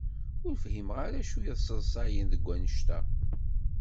Ur fhimeɣ ara acu i yesseḍsayen deg wanect-a.